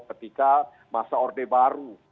ketika masa orde baru